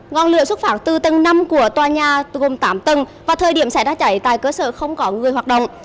ngọn lửa xuất phát từ tầng năm của tòa nhà gồm tám tầng và thời điểm xảy ra cháy tại cơ sở không có người hoạt động